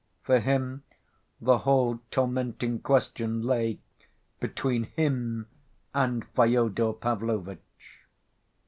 For him the whole tormenting question lay between him and Fyodor Pavlovitch.